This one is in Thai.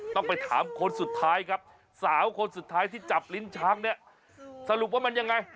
ต้องไปถามคนสุดท้ายสาวคนสุดท้ายที่จับลิ้นชาเสร็จว่ามันยังไง